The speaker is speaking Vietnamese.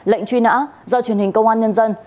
lệnh truy nã do truyền hình công an nhân dân